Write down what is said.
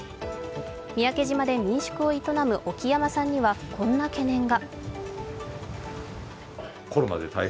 三宅島で民宿を営む沖山さんには、こんな懸念が。